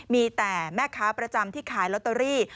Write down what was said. มีแต่แม่ค้าประจำที่ขายลอตเตอรี่